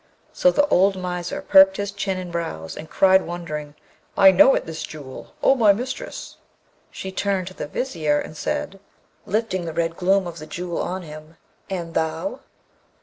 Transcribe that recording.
So the old miser perked his chin and brows, and cried wondering, 'I know it, this Jewel, O my mistress.' She turned to the Vizier, and said, lifting the red gloom of the Jewel on him, 'And thou?'